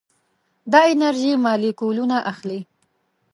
دا انرژي مالیکولونه اخلي.